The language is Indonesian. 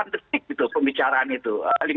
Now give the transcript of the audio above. lima puluh delapan detik gitu pembicaraan itu